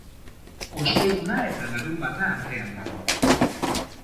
Osteguna eta Larunbata artean dago.